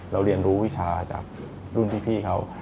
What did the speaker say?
เรียนรู้วิชาจากรุ่นพี่เขา